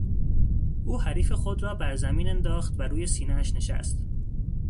او حریف خود را بر زمین انداخت و روی سینهاش نشست.